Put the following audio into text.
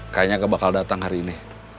kayaknya gue bakal datang hari ini